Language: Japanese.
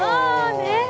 ねえ！